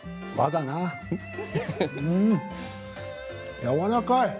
やわらかい。